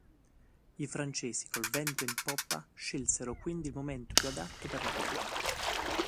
I francesi, col vento in poppa, scelsero quindi il momento più adatto per l'attacco.